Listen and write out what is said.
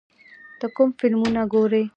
ته کوم فلمونه ګورې؟